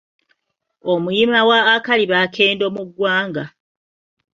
Omuyima wa Akalibaakendo mu ggwanga